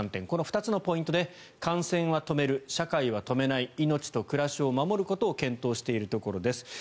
この２つのポイントで感染は止める、社会は止めない命と暮らしを守ることを検討しているところです。